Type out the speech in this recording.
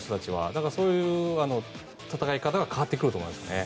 だから、そういう戦い方が変わってくると思いますね。